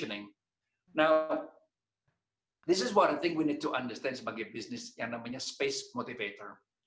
sekarang ini adalah hal yang harus kita pahami sebagai bisnis yang namanya space motivator